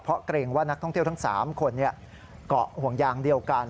เพราะเกรงว่านักท่องเที่ยวทั้ง๓คนเกาะห่วงยางเดียวกัน